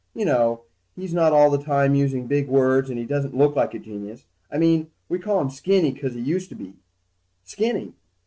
You know, he's not all the time using big words, and he doesn't look like a genius. I mean, we call him Skinny 'cause he used to be Skinny.